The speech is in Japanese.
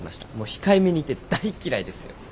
控えめに言って大嫌いですよ。